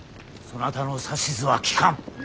そなたの指図は聞かん。